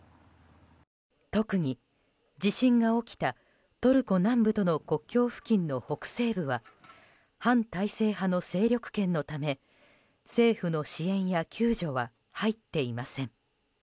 特に、地震が起きたトルコ南部との国境付近の北西部は反体制派の勢力圏のため政府の支援や救助は入っていません。